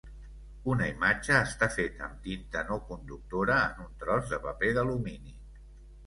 Una imatge està feta amb tinta no conductora en un tros de paper d'alumini.